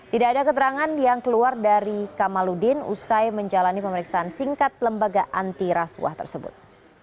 tidak ada keterangan yang keluar dari kamaludin usai menjalani pemeriksaan singkat lembaga antirasuah tersebut